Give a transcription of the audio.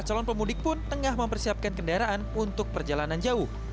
calon pemudik pun tengah mempersiapkan kendaraan untuk perjalanan jauh